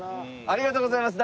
ありがとうございます。